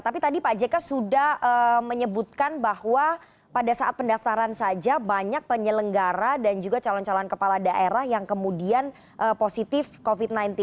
tapi tadi pak jk sudah menyebutkan bahwa pada saat pendaftaran saja banyak penyelenggara dan juga calon calon kepala daerah yang kemudian positif covid sembilan belas